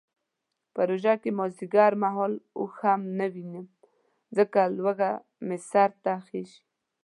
په روژه کې مازدیګر مهال اوښ هم نه وینم ځکه لوږه مې سرته خیژي.